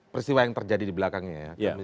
peristiwa yang terjadi di belakangnya ya